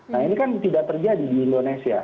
nah ini kan tidak terjadi di indonesia